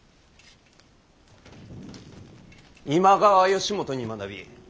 今川義元に学び